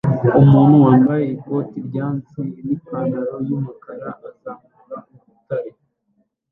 Umuntu wambaye ikoti ryatsi nipantaro yumukara azamura urutare